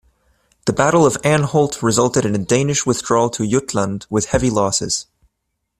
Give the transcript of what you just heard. The Battle of Anholt resulted in a Danish withdrawal to Jutland, with heavy losses.